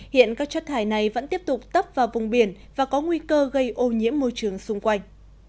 hiện các chất thải này vẫn tiếp tục tấp vào vùng biển và có nguy cơ gây ô nhiễm môi trường xung quanh